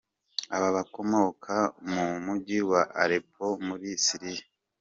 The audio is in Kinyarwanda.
Aba bakomoka mu Mujyi wa Aleppo muri Syria.